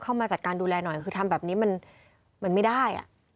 เข้ามาจัดการดูแลหน่อยคือทำแบบนี้มันไม่ได้